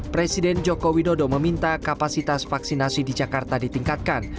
presiden jokowi nodo meminta kapasitas vaksinasi di jakarta ditingkatkan